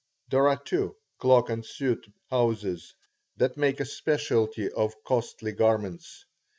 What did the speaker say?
There are two cloak and suit houses that make a specialty of costly garments.